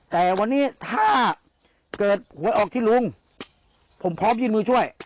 แต่วันนี้ถ้าเกิดหวยออกที่ลุงผมพร้อมยื่นมือช่วย